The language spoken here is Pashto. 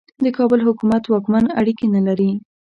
د کابل حکومت واکمن اړیکې نه لري.